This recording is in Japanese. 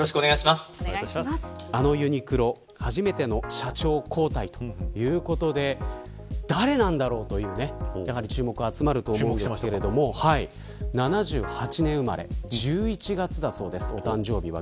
あのユニクロ、初めての社長交代ということで誰なんだろうという注目が集まると思うんですけど７８年生まれ１１月だそうです、お誕生日は。